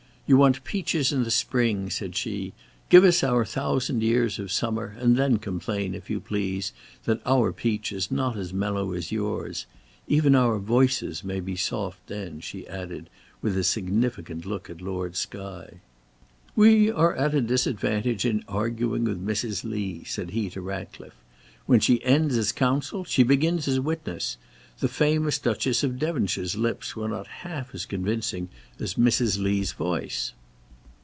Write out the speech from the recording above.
"You want peaches in spring," said she. "Give us our thousand years of summer, and then complain, if you please, that our peach is not as mellow as yours. Even our voices may be soft then," she added, with a significant look at Lord Skye. "We are at a disadvantage in arguing with Mrs. Lee," said he to Ratcliffe; "when she ends as counsel, she begins as witness. The famous Duchess of Devonshire's lips were not half as convincing as Mrs. Lee's voice."